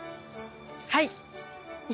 はい！